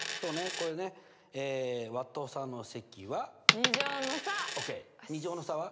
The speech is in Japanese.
これね２乗の差は？